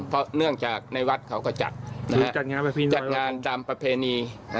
เพราะเนื่องจากในวัดเขาก็จัดงานตามประเพณี